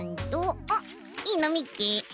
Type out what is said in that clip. あっいいのみっけ！